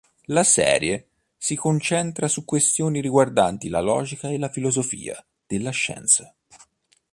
La serie si concentra su questioni riguardanti la logica e la filosofia della scienza.